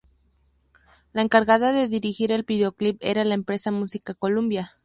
La encargada de dirigir el videoclip era la empresa musical Columbia.